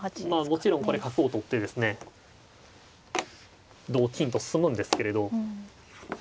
もちろんこれ角を取ってですね同金と進むんですけれど。